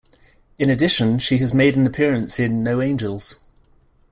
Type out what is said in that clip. In addition, she has made an appearance in "No Angels".